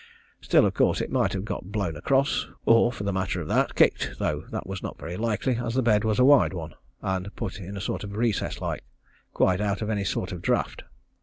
Still, of course it might have got blown across, or, for the matter of that, kicked, though that was not very likely, as the bed was a wide one, and put in a sort of recess like, quite out of any sort of draught.